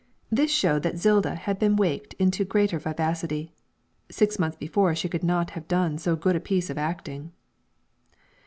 This showed that Zilda had been waked into greater vivacity. Six months before she could not have done so good a piece of acting.